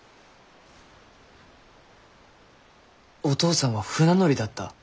お父さんは船乗りだった？